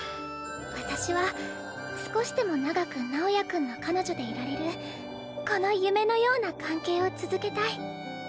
私は少しでも長く直也君の彼女でいられるこの夢のような関係を続けたい。